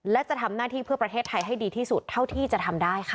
และจะทำหน้าที่เพื่อประเทศไทยให้ดีที่สุดเท่าที่จะทำได้ค่ะ